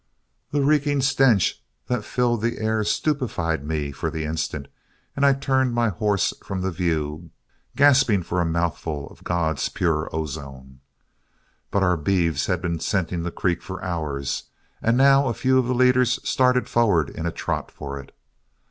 The reeking stench that filled the air stupefied me for the instant, and I turned my horse from the view, gasping for a mouthful of God's pure ozone. But our beeves had been scenting the creek for hours, and now a few of the leaders started forward in a trot for it.